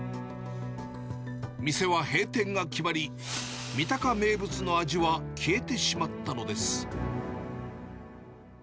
店は閉店が決まり、三鷹名物の味は消えてしまったのです。